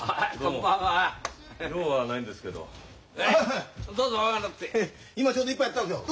ヘッ今ちょうど一杯やってたんですよ。